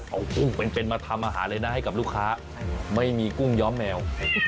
เอากุ้งเป็นมาทำอาหารเลยนะให้กับลูกค้าไม่มีกุ้งย้อมแมว